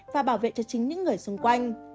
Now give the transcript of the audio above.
và bảo vệ cho chính những người xung quanh